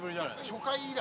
初回以来。